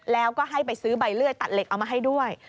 แล้วก็ให้ไปซื้อใบเลื่อยตัดเหล็กเอามาให้ด้วย